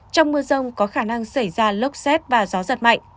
trong mưa rông có khả năng xảy ra lốc xét và gió giật mạnh